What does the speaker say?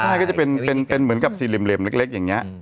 ข้างในก็จะเป็นเหมือนกับสี่เหลมเล็กอย่างนี้